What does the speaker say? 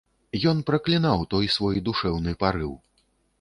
Ён праклінаў той свой душэўны парыў.